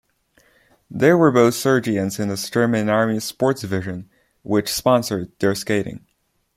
They were both sergeants in the German Army's sports division, which sponsored their skating.